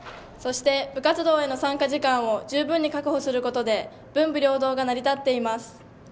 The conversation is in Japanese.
そして部活動への参加時間を十分に確保することで文武両道が成り立っています。